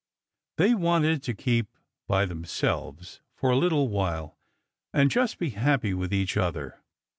They wanted to keep by themselves for a little while and just be happy with each other.